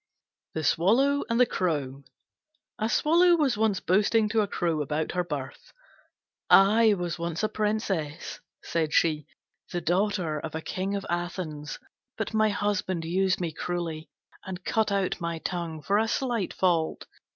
THE SWALLOW AND THE CROW A Swallow was once boasting to a Crow about her birth. "I was once a princess," said she, "the daughter of a King of Athens, but my husband used me cruelly, and cut out my tongue for a slight fault.